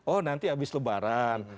oh nanti habis lebaran